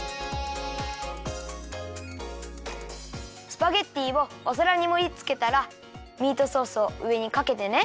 スパゲッティをおさらにもりつけたらミートソースをうえにかけてね。